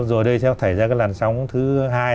rồi đây sẽ thải ra cái làn sóng thứ hai